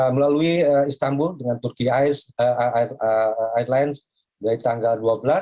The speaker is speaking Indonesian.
melalui istanbul dengan turki airlines dari tanggal dua belas